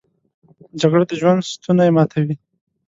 جګړه د ژوند ستونی ماتوي